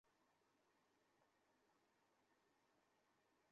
ফুটপাথের দোকানগুলোতে হেন কোনো বাংলাদেশি জিনিস নাই যেটা পাওয়া যাবে না।